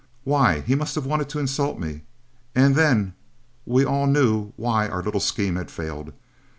Why, he must have wanted to insult me. And then we all knew why our little scheme had failed.